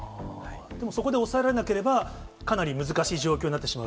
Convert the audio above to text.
でも、そこで押さえられなければ、かなり難しい状況となってしまう。